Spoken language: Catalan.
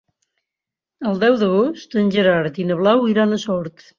El deu d'agost en Gerard i na Blau iran a Sort.